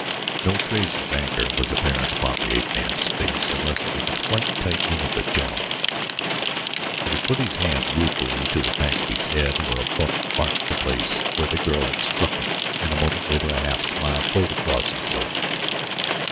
No trace of anger was apparent upon the ape man's face unless it was a slight tightening of the jaws; but he put his hand ruefully to the back of his head where a bump marked the place where the girl had struck him and a moment later a half smile played across his lips.